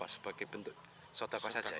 sebagai bentuk sodakoh saja